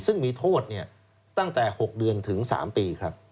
ซึ่งมีโทษตั้งแต่๖เดือนถึง๓ปีครับ